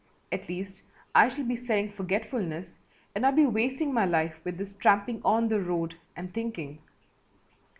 At least I shall be selling forgetfulness and not be wasting my life with this tramping on the road and thinking."